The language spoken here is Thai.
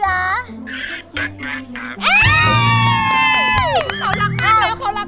รักมากครับ